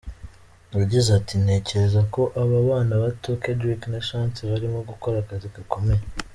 Yagize ati: "Ntekereza ko aba bana bato; Kendrick na Chance barimo gukora akazi gakomeye.